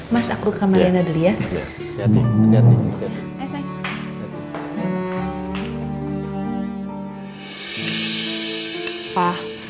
mas aku ke kamarnya dulu ya